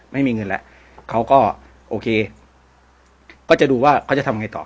ไม่มีเงินแล้วเขาก็โอเคก็จะดูว่าเขาจะทำยังไงต่อ